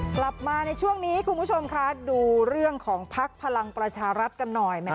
กลับมาในช่วงนี้คุณผู้ชมคะดูเรื่องของภักดิ์พลังประชารัฐกันหน่อย